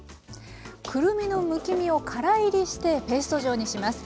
くるみのむき身をからいりしてペースト状にします。